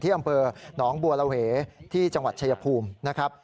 ที่อำเบอร์หนองบัวลาเวที่จังหวัดเฉยภูมิ